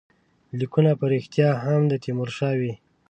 لیکونه په ریشتیا هم د تیمورشاه وي.